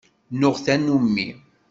Nuɣ tannummi.